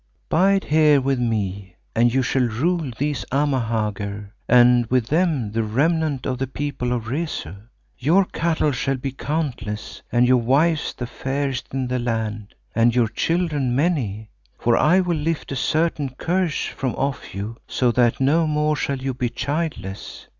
Bide here with me and you shall rule these Amahagger, and with them the remnant of the People of Rezu. Your cattle shall be countless and your wives the fairest in the land, and your children many, for I will lift a certain curse from off you so that no more shall you be childless.